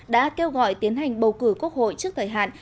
đã kêu gọi tiến hành bầu cử quốc hội trước thời hạn